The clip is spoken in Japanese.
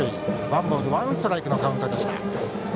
ワンボールワンストライクのカウントでした。